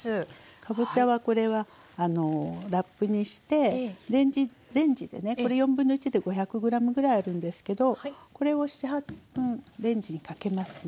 かぼちゃはこれはラップにしてレンジでねこれ1/4で５００ｇぐらいあるんですけどこれを７８分レンジにかけますね。